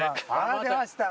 出ました。